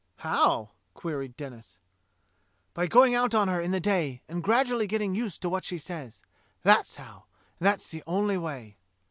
^" "How?" queried Denis. " By going out on her in the day, and gradually getting used to wot she says; that's how; and that's the only way."